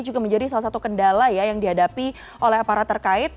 juga menjadi salah satu kendala ya yang dihadapi oleh para terkait